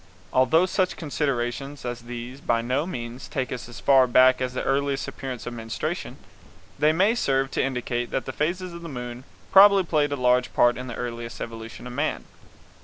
Although such considerations as these will by no means take us as far back as the earliest appearance of menstruation, they may serve to indicate that the phases of the moon probably played a large part in the earliest evolution of man.